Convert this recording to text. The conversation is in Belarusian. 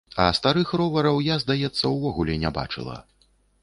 А старых ровараў я, здаецца, увогуле не бачыла.